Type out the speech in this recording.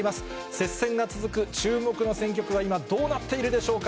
接戦が続く注目の選挙区は今、どうなっているでしょうか。